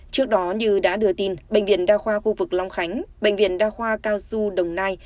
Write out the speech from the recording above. trước đó như đã đưa tin bệnh viện đa khoa khu vực long khánh bệnh viện đa khoa cao xu đồng nai